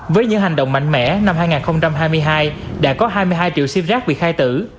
với những hành động mạnh mẽ năm hai nghìn hai mươi hai đã có hai mươi hai triệu sim rác bị khai tử